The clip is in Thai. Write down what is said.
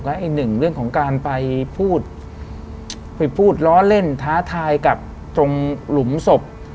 และอีกหนึ่งเรื่องของการไปพูดไปพูดล้อเล่นท้าทายกับตรงหลุมศพ